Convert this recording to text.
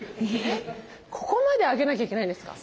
ここまで上げなきゃいけないんですか？